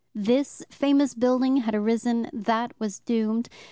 This famous building had arisen, that was doomed.